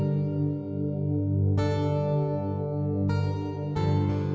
พี่พ่อไปอสมมีงก็ไปหนุน